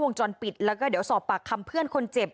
วงจรปิดแล้วก็เดี๋ยวสอบปากคำเพื่อนคนเจ็บ